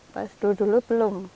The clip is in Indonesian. pas dulu dulu belum